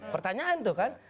pertanyaan itu kan